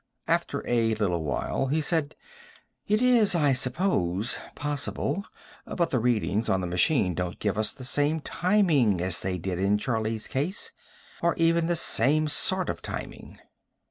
After a little while he said: "It is, I suppose, possible. But the readings on the machine don't give us the same timing as they did in Charlie's case or even the same sort of timing."